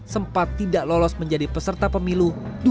sempat tidak lolos menjadi peserta pemilu dua ribu dua puluh empat